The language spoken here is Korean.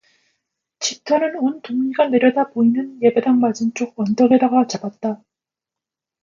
집터는 온 동리가 내려다보이는 예배당 맞은쪽 언덕에다가 잡았다.